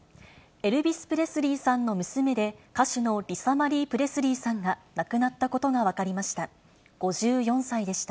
エルヴィス・プレスリーさんの娘で、歌手のリサ・マリー・プレスリーさんが亡くなったことが分かりました。